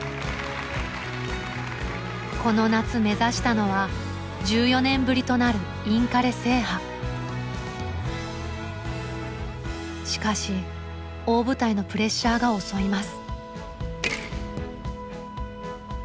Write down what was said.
この夏目指したのはしかし大舞台のプレッシャーが襲います。